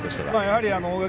大垣